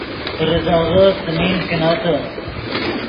ریزغے څیمین کینتّے